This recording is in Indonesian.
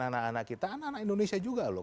anak anak kita anak anak indonesia juga loh